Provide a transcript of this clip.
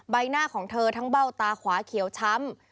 ใบหน้าของเธอทั้งเบ้าตาขวาเขียวช้ำ